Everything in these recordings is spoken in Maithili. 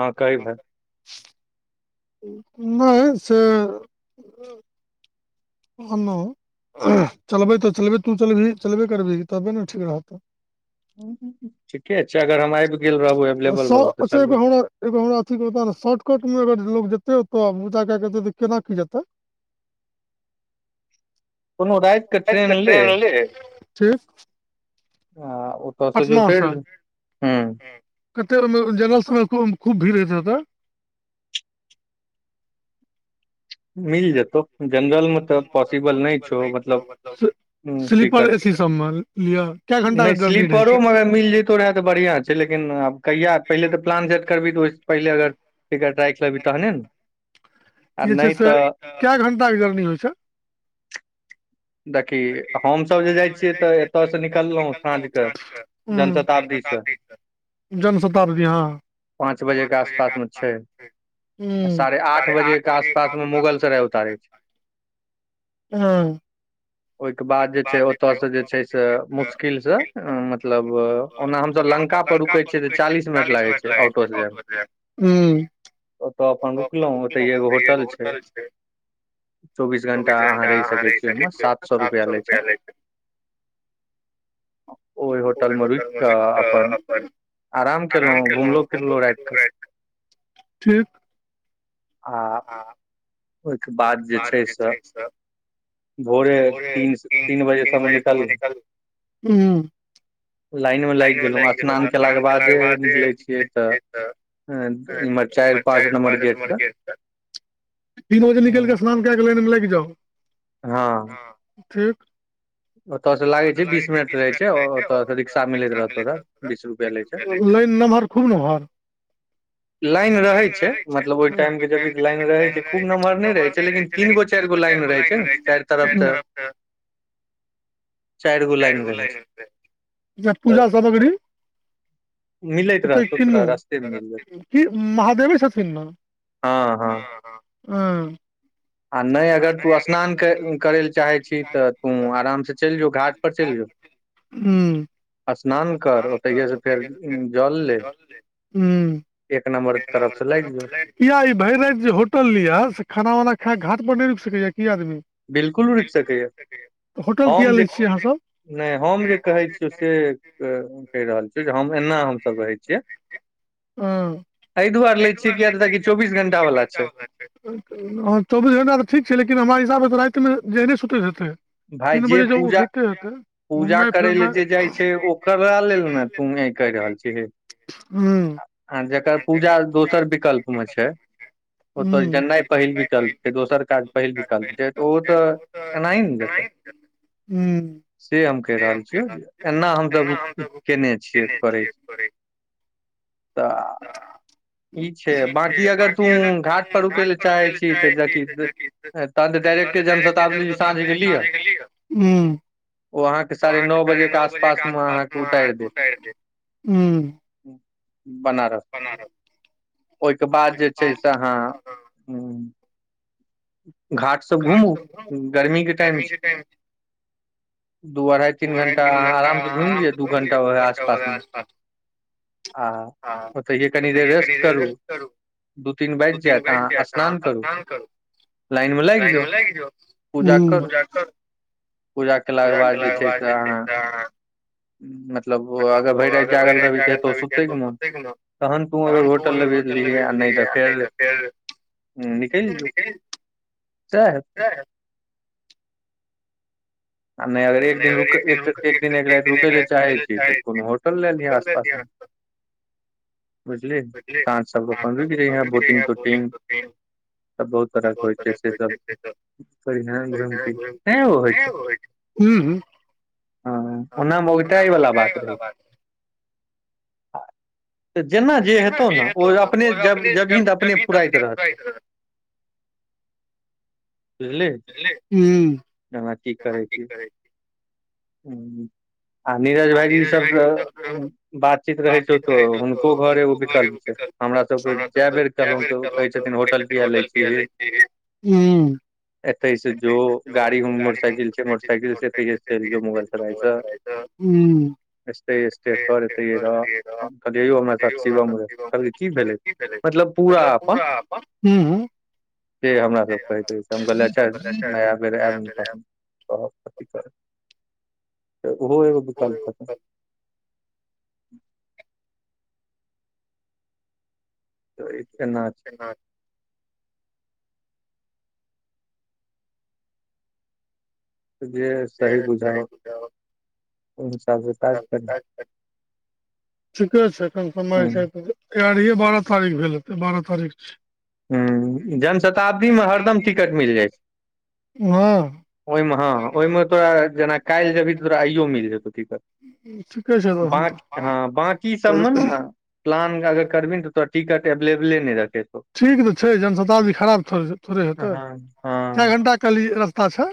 हँ कई भ नहि से हमहु चलबै तऽ चलबे तू चलबिही चलबे करबिही तबे ने ठीक रहतौ। ठीके छैय अगर हम आबि गेल रहू एवेलेबल रहु तऽ चलबै। एगो हमरा अथी करक बताह ने शॉर्टकट मे अगर लोग जेतै ओतो पूजा क केतै तऽ केना की जेतै? [unintelligible] ठीक आ ओ तऽ तऽ जते ने ह [unintelligible] सब मे खूब भीड़ हो होतेय। मिल जेतौ जेनरल मे तऽ पॉसिबल नहि छौ मतलब हूँ टिकत नहि स्लीपरो मे अगर मिल जेतै तोरा तऽ बढ़ियां छै लेकिन आब कहिया पहिले तऽ प्लान सेट करबी तऽ पहिले अगर टिकत राख लेबहि तहने ने। जे छैय से कए घंटा के जर्नी होइ छैय? देखी हमसभ जे जाइ छियै तऽ एतयसँ निकललहुँ साँझ के जनशताब्दीसँ जन्शताब्दी हँ। पाँच बजे के आसपास में छैय। साढ़े आठ बजे के आसपास में मुगल सराय उतारै छैय। हँ ओहिके बाद जे छैय ओतय से जे छैय से मुश्किल से मतलब ओना हमसभ लंका पर रुकै छीयै तऽ चालीस मिनट लागै छैय ऑटो से जायमे। ओतय अपन रुकलहुँ ओतय एगो होटल छैय। चौबीस घंटा अहाँ रहि सकैत छीयै ओहिमे सात सए रुपैया सए रुपआ लै छैय। ओहि होटल मे रुकि कऽ अपन आराम केलहुँ घुमलहुँ फिरलहुँ रति केऽ। ठीक आ आ ओहिके बाद जे छैय स भोरे तीन बजे स हमहु निकलबव। लाइन में लागि गेलहुँ स्नान केला के बादे निकले छियै तऽ ह इम्हर चारि पाँच नम्बर गेटसँ तीन बजे निकलिकऽ स्नान कए कऽ लाइनमे लागि जाउ फिर ओत से लागय छैय बीस मिनट रहे छैय रिक्शा मिलैत [unintelligible] लाइन नम्हर खूब नम्हर लाइन रहै छैय मतलब ओहि टाइम के जब भी लाइन रहे छैय खूब नम्हर नहि रहय छैय लेकिन तीनगो चारि गो लाइन रहै छैय चाइर तरफ स पूजा सामग्री मिलैत रहतौ तोरा रास्ते मे मिल जेतौ। की महादेवे छथिन ने? आ नहि अगर तू स्नान करै करै लए चाहै छी तऽ तू आरामसँ चलि जो घाट पर च इल जो स्नान कर ओतहिये से फेर जल ले हूं एक नम्बर तरफ से लाइग जो किया ई भ इर राइत जे होटल लि ये से खाना वना खाय घाट पर नहि रुकि सकै या की आदमी बिल्कुल रुकि सकैए हम जे नहि हम जे कहै छी जे से कहि रहल छियौ जे हम एना हमसब रहै छियै एहि दुआरे ले छीयै किया तऽ चौबीस घंटा वला छै हँ चौबीस घण्टा तऽ ठीक छै लेकिन हमरा हिसाबसँ तऽ रातिमे जेहने सुतैत हतै भाय जे पूजा पूजा करय लए जे जाइ छै ओकरा लेल ने तू हेकहि रहल छ से [unintelligible] हूं आ जकर पूजा दोसर विकल्प मे छै ओत जेनाइ पहिल विकल्प छै दोसर काज पहिल विकल्प छै तऽ ओ तऽ एनाही ने दे हूं से हम कहि रहल छियै एना हमसब केने छियै करै तऽ ई छै बांकी अगर तू घाट पर रुकै लए चाहै छी तऽ जकि तहन तऽ डायरेक्टे जनशताब्दी साँझके लिअ ओ अहाँके साढ़े नओ बजेके आसपासमे अहाँके उताइर देत बनारस बनार ओहिके बाद जे छै से अहाँ ह घाटसब घूमू गर्मीके टाइम छै दू अढ़ाइ तीन घण्टा अहाँ आरामसँ घुमि लिअ दू घण्टा ओह आसपासमे आ ओतहिये कनी देर रेस्ट करू दू तीन बाइज जायत अहाँ स्नान करू लाइन मे लाइग जाउ पूजा करू पूजा केलाके बाद जे छै से अहाँ मतलब अगर भ इर राइत जागल रहबी तऽ हे तऽ ओ सुतैके ना तहन तू अगर होटल लेभहि तो लिहा आ नहि तऽ फेर ह्म निकैलि जो सैह तै आ नहि अगर एक दिन रूकै एक दिन एक राइत रुकै लए चाहै छी तऽ कोनो होटल लए लीह आसपासमे बझले समझ ब [unintelligible] बहुत तरस होइ छै त होइ छै [unintelligible] हूं हुं ह ओना मोगटाइ वला बात रहै तऽ जेना जे हेतौ ने ओ अपने जब जेबही न तो अपने फुराइत रहतौ ह्मँ [unintelligible] करैके ह आ नीरज भाईजी सबसँ बातचीत रहै छौ तऽ हुनको घर एगो विकल्प छै हमरा सभके जाए बेर कहल कहै छथिन होटल किया लै छीहीं एतै से जो गाड़ी मोटरसाइकिल छै मोटरसाइकिल से एतै च इल जो मुगलसराय से हूं एस्ते एस्ते कर एतैये रऽह हम कहलियै यौ हमरा साथ शिवम भेल कहलकै की भेलै मतलब पूरा अपन हं उं हुं से हमरा सब कहैतै हम कहिय अच्छा नया बेर आयब ब ओहो एगो विकल्पत तऽ एना हॅं त जे सही बुझाउ उ हिसाब से काज कर ठीके छै एखन समय छै एग्रर बारह तारीख भेल हतै बारह तारीख छिय हूं जनशताब्दीमे हरदम टिकट मिल जाइ छै ओहिमे हँ ओहिमे तोरा जेना काल्हि जेबही तऽ तोरा आइयो मिल जेतौ टिकट बाकी हँ बाकी सभमे ने प्लान अगर करबही तऽ तोरा टिकट एवलेबले नहि रते तो ठीक तऽ छै जनशताब्दी खराब थो थोड़े हेतै कए घण्टा कहलियए रस्ता छै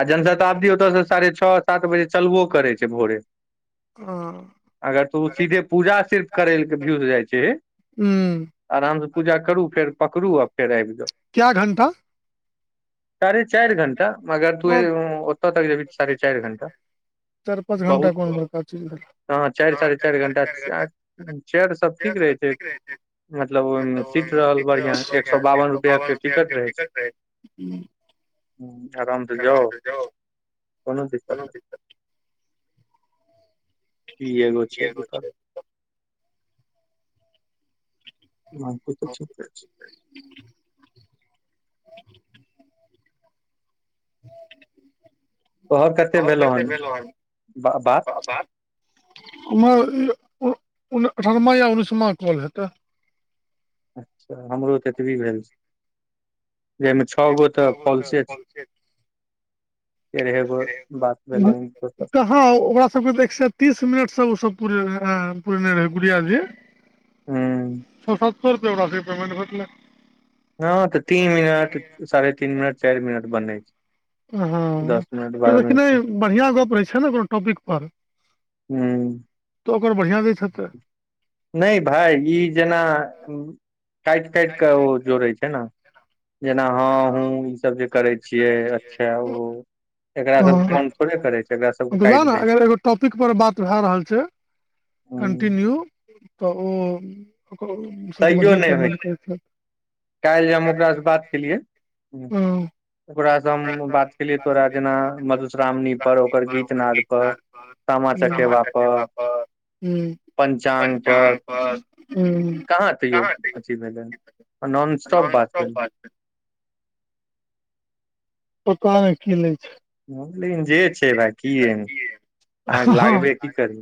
आ जनशताब्दी ओतयसँ साढ़े छओ सात बजे चलबो करै छै भोरे अगर तऽ ओ सीधे पूजा सिर्फ करै लय भियू सँ जाइ छिहीं हुँ आरामसँ पूजा करू फेर पकड़ू अपन क्य घण्टा साढ़े चारि घण्टा मगर तो ओतऽ तक जेबही साढ़े चारि घण्टा चार पाँच घण्टा कोन बड़का चीज नहि हॅं चारि साढ़े चारि घंटा चेयर सब ठीक रहै छै मतलब ओहिमे सीट रहल बढ़िआं एक सए बावन रुपआ के टिकट रहै छै हुँ आराम से जाउ कोनो दिक्कत नहि इएगो छै विकल्प मक तऽ ठीके छै [unintelligible] ह [inaudible] तोहर कते भेलो हन पास आर एम्हर अठारमा या उन्नैसमा कॉल हेतै अच्छा हमरो त एतबी भेल छै जाहिमे छओ गो तऽ फॉल्से छै तेरहे गो बात भेले हन एखन तक हँ ओकरा सबके एक सॅं तीस मिनट से ओ सब पूरेने रहे गुड़िया जी छ सौ सत्तर रुपाय पेमेंट भेटलेय हँ तऽ तीन मिनट साढ़े तीन मिनट चारि मिनट बने छै हँ तऽ देखने बढ़िआँ गप्प रहै छै ने कोनो टॉपिकपर हुँ तऽ ओकर बढ़िआँ दैत हैतेय नहि भाय ई जेना काटि काटि कऽ ओ जोड़ै छै ने जेना हँ हू ई सब जे करै छियै अच्छा ओ एकरा सब कॉउंट थोड़े करे छै एकरा सब काटि देय छै टॉपिक पर बात भए रहल छै कन्टिन्यू तऽ ओ ओकरो सबके बढ़िआँ पेमैंट करै छै केेलिए हुँ ओकरासँ हम बात केलियै तोरा जेना मधुश्रावणीपर ओकर गीत नादपर हुँ सामा चकेबा हुँ पर पञ्चांग पर हुँ कहाँ तेयो नॉन स्टॉप बात ओकरा आर कें की लै छै लेकिन जे छै भाय की अहाँके लागबे की करैय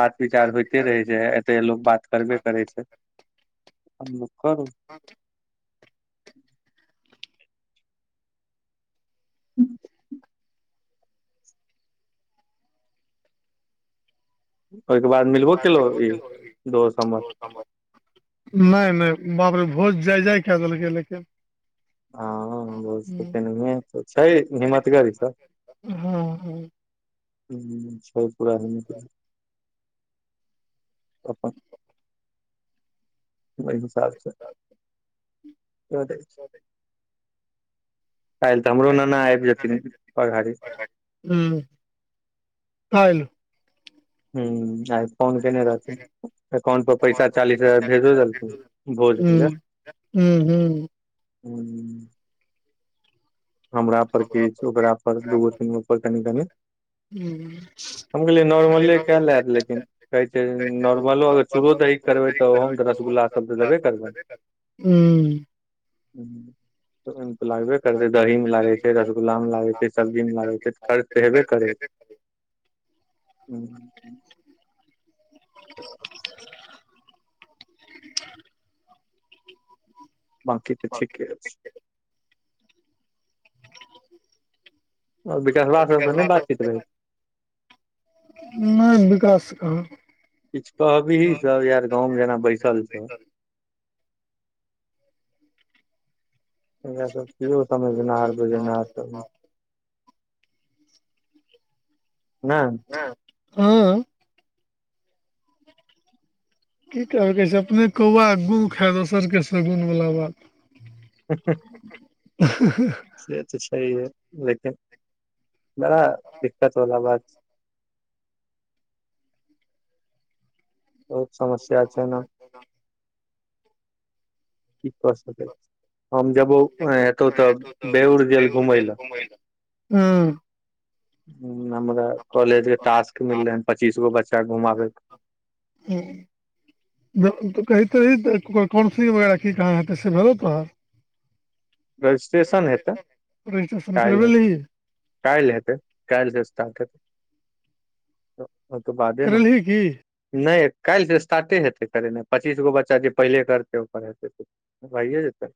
बात विचार होइते रहै छै एते लोक बात करबे करबै करै छै आब लोक करोउ ह [unintelligible] ह [inaudible] ओहिके बाद मिलबो तिलबो ई दोस हमर नहि नहि बाप रे भोज जय जय कैय देलकै लेकिन हँ बहुत कते ने मेन त छै हिम्मतगर ई सब हँ हँ ह्म छै पूरा हुनके अपन ओहि हिसाब स क दै छैै काल्हि तऽ हमरो नाना आबि जेथिन पघारी ह्म काल्हि [unintelligible] फोन केने रहथिन अकाउंट पर पैसा चालीस हजार भेजो देलखिन भोज के लेल हूं हूं हूं हमरा पर किछ ओकरा पर दूगो तीन गो पर कनि कनी हूं हम कहलियै नॉर्मले कै ले लेकिन कहै छै जे नॉर्मलो अगर चूरो दही करबै तऽ ओहोमे तऽ रसगुल्ला सब तऽ देबे करबै ह्म तऽ ओइमे त लागबे करतै दही मे लागै छै रसगुल्ला मे लागै छै सब्जी मे लागै छै त खर्च त हेबे करै छै ह्म [unintelligible] बाकी तऽ ठीके छै ओ विकासबा सबसँ नै बातचीत रहै छै नहि विकास स कहाँ किछु कहबीही सब यार गाँंव मे जे एना बैसल छौ हिनका सबके कियौ समझेनाहर बुझेनहार सब नै [inaudible] नहि हँ की कह के छै अपने कौआ गुंह खाय दोसरके शगुनवला बात ह ह अ ह ह्ह से तऽ छैहे लेकिन बड़ा दिक्कत वाला बात बहुत समस्या छै न [unintelligible] कि क सकैत छै हम जेबौ हेतौ तऽ बेउर जेल घुमय लए हमरा कॉलेज के टास्क मिलले हं पच्चीस गो बच्चा घुमाबै के ह त कहैत त रही त काउन्सिलिंग वगैरह की कहाँ हेतै से भेलौ तोहर रजिस्ट्रेशन हेतै रजिस्ट्रेशन करबैेलही काल्हि हेतै काल्हि स स्टार्ट हेतै ओहिके बादे न नहि काल्हि से स्टार्टे हेतै करेनाइ पच्चीस गो बच्चा जे पहिले करतै ओकर हेतै भैए जेतै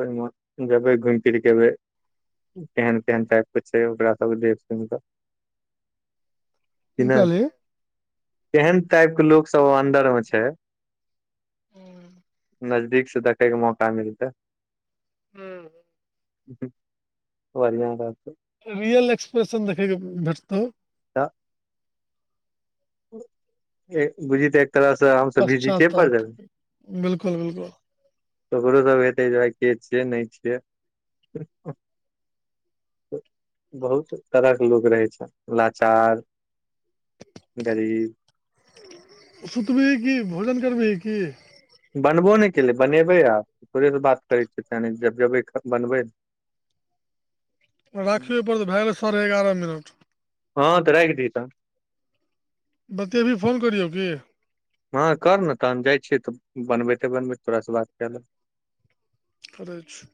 ओहिम जेबै घुमि फिर के एबै तेहन तेहन टाइप के छै ओकरा सबके देख सुनिकऽ [inaudible] कि नहि केहन टाइपके लोकसभ ओ अन्दरमे छै नजदीक से देखै के मौका मिलतै हूँ बढिआं बात छै रियल एक्सप्रेशन देखे के भेटतौ तऽ बुझी त एक तरहसँ हम सभ विजिटे पड़ गेलौ ओकरो सब हेतै जे भाइ के छियै नहि छियै बहुत तरहक लोग रहै छै लाचार गरीब सुतबही कि भोजन करबिही कि बनबो नइ केलै बनेबै आ तोड़ेसँ बात करै छियै तेय नइ जब जबै बनबै राखि परतो भय गेल सारे एगारह मिनट हँ तऽ राइख दिही तऽ बतेबही फोन करियौ की हँ कर न तहन जाइत छियै तऽ बनबेैते बनबैत तोरासँ बात कए लेबो करे छै